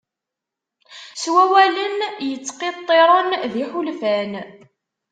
S wawalen yettqiṭṭiren d iḥulfan.